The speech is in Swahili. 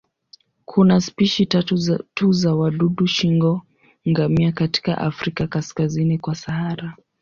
Kuna spishi tatu tu za wadudu shingo-ngamia katika Afrika kaskazini kwa Sahara.